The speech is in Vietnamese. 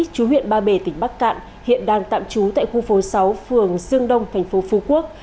chú huyện ba bể tỉnh bắc cạn hiện đang tạm trú tại khu phố sáu phường dương đông thành phố phú quốc